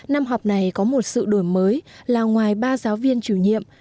năm học này có một sự đổi mới là ngoài ba giáo viên chủ nhiệm